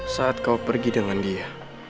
saat kau pergi dengan dia